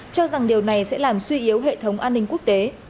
cho rằng điều này sẽ làm suy yếu hệ thống an ninh quốc tế